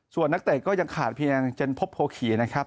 ส่วนนักเตะก็ยังขาดเพียงเจนพบโพขี่นะครับ